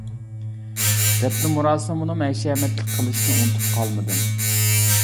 دەپنە مۇراسىمىنىمۇ ھەشەمەتلىك قىلىشنى ئۇنتۇپ قالمىدىم.